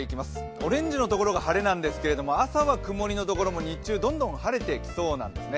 オレンジのところが晴れなんですけど、朝は曇りのところも日中どんどん晴れてきそうなんですね。